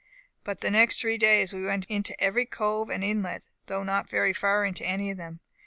But the next three days we went into every cove and inlet, though not very far into any of them.